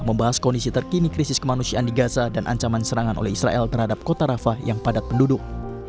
membahas kondisi terkini krisis kemanusiaan di gaza dan ancaman serangan oleh israel terhadap kota rafah yang padat penduduk